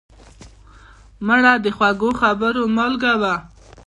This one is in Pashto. مړه د خوږو خبرو مالګه وه